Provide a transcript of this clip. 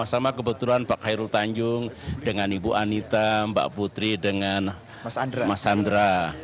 bersama kebetulan pak khairul tanjung dengan ibu anita mbak putri dengan mas andra